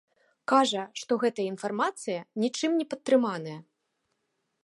Кажа, што гэтая інфармацыя нічым не падтрыманая.